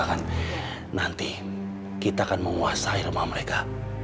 nanti kita akan menguasai rumah mereka